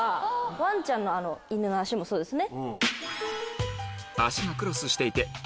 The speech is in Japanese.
ワンちゃんの足もそうですね。